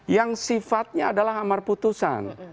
yang sifatnya adalah amar putusan